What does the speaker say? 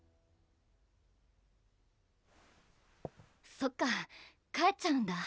そっか帰っちゃうんだ